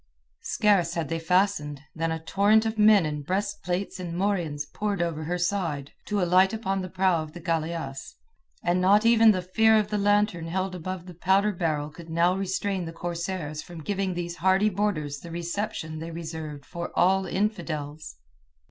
Scarce had they fastened, than a torrent of men in breast plates and morions poured over her side, to alight upon the prow of the galeasse, and not even the fear of the lantern held above the powder barrel could now restrain the corsairs from giving these hardy boarders the reception they reserved for all infidels.